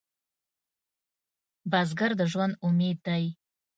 بزګر د ژوند امید دی